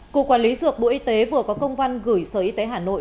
cục quản lý dược bộ y tế vừa có công văn gửi sở y tế hà nội